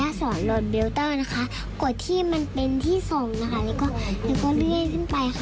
กดที่มันเป็นที่๒นะคะแล้วก็เลื่อนขึ้นไปค่ะ